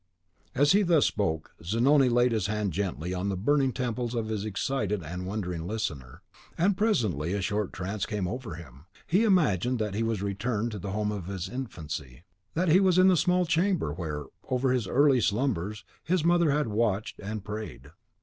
As he thus spoke, Zanoni laid his hand gently on the burning temples of his excited and wondering listener; and presently a sort of trance came over him: he imagined that he was returned to the home of his infancy; that he was in the small chamber where, over his early slumbers, his mother had watched and prayed.